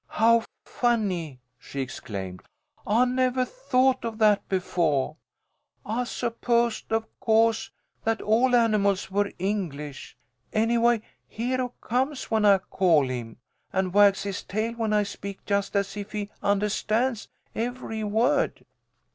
"How funny!" she exclaimed. "I nevah thought of that befo'. I supposed of co'se that all animals were English. Anyway, Hero comes when I call him, and wags his tail when I speak, just as if he undahstands every word."